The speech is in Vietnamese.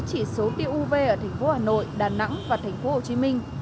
chỉ số tiêu uv ở thành phố hà nội đà nẵng và thành phố hồ chí minh